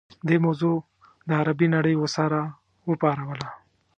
دې موضوع د عربي نړۍ غوسه راوپاروله.